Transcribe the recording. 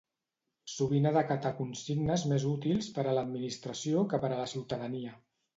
Sovint han d'acatar consignes més útils per a l'administració que per a la ciutadania.